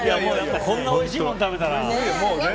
こんなおいしいもん食べたら。